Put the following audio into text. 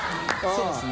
そうですね。